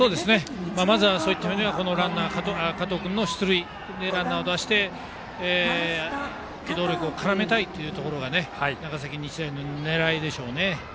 まずはそういうためには加藤君の出塁でランナーを出して機動力を絡めたいところが長崎日大の狙いでしょうね。